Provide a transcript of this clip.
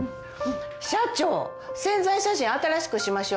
社長宣材写真新しくしましょ。